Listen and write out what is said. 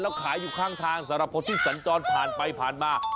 แล้วขายอยู่ข้างทางสำหรับคนที่สัญจรผ่านไปผ่านมา